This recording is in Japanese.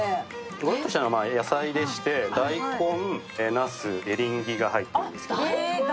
ごろっとしたのは野菜でして、大根、なす、エリンギが入ってるんですけど。